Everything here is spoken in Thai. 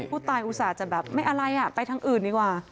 อุตส่าห์จะแบบไม่อะไรอ่ะไปทางอื่นดีกว่า